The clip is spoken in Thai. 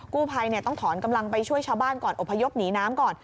กู้ภัยต้องถอนกำลังไปช่วยชาวบ้านก่อนอพยพหนีน้ำก่อน